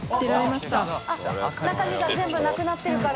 水卜）中身が全部なくなってるから。